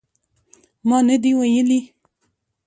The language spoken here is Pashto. ما نه دي ویلي